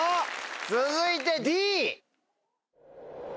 続いてＤ。